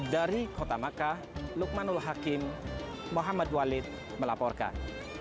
dari kota makkah lukmanul hakim muhammad walid melaporkan